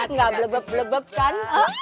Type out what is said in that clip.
enggak blebep blebep kan